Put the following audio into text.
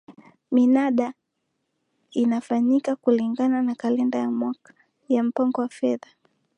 minada inafanyika kulingana na kalenda ya mwaka ya mpango wa fedha